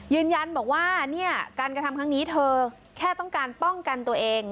ยืนยันบอกว่าเนี่ยการกระทำครั้งนี้เธอแค่ต้องการป้องกันตัวเอง